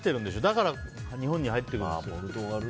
だから日本に入ってくるんです。